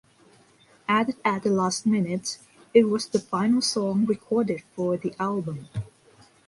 Added at the last minute, it was the final song recorded for the album.